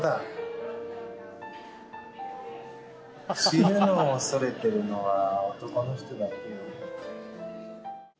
死ぬのを恐れてるのは男の人だけよ。